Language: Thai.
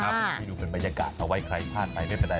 ให้ดูเป็นบรรยากาศเอาไว้ใครพลาดไปไม่เป็นไร